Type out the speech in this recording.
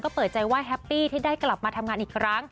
เปิดใจว่าแฮปปี้ที่ได้กลับมาทำงานอีกครั้ง